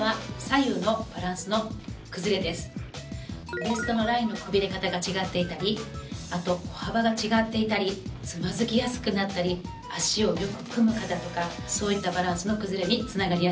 ウエストのラインのくびれ方が違っていたりあと歩幅が違っていたりつまずきやすくなったり脚をよく組む方とかそういったバランスの崩れに繋がりやすいんです。